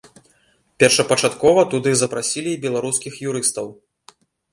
Першапачаткова туды запрасілі і беларускіх юрыстаў.